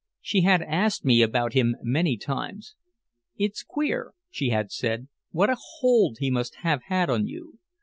She had asked me about him many times. "It's queer," she had said, "what a hold he must have had on you.